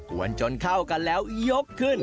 วนจนเข้ากันแล้วยกขึ้น